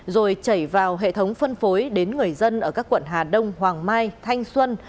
rồi chảy vào hệ thống phân phối đến người dân ở các quận hà đông hoàng mai thanh xuân